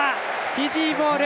フィジーボール！